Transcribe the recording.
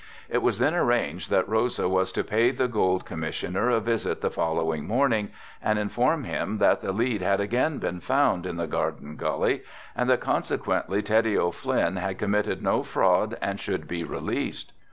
It was then arranged that Rosa was to pay the gold Commissioner a visit the following morning and inform him that the lead had again been found in the Garden Gully and that consequently Teddy O'Flynn had committed no fraud and should be released.